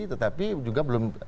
tetapi juga belum